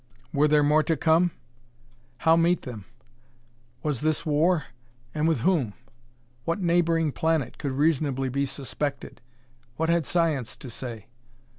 Were there more to come? How meet them? Was this war and with whom? What neighboring planet could reasonably be suspected. What had science to say?